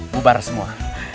bu bar semua